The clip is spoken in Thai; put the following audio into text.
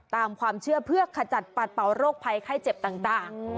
ตามความเชื่อเพื่อขจัดปัดเป่าโรคภัยไข้เจ็บต่าง